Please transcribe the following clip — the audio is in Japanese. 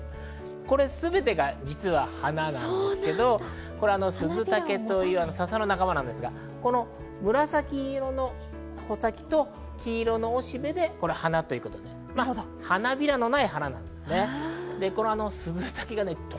これすべてが実は花なんですけど、スズタケという笹の仲間なんですが、紫色の穂先と黄色のおしべで花ということで花びらのない花なんですね。